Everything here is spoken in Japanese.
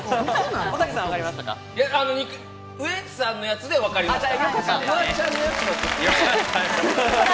ウエンツさんのやつで分かりました。